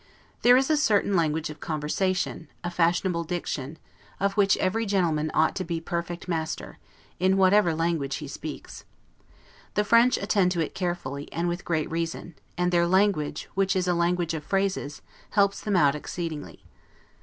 There is a certain language of conversation, a fashionable diction, of which every gentleman ought to be perfectly master, in whatever language he speaks. The French attend to it carefully, and with great reason; and their language, which is a language of phrases, helps them out exceedingly.